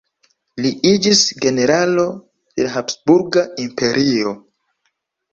Li iĝis generalo de Habsburga Imperio.